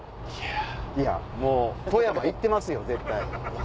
いやもう富山行ってますよ絶対。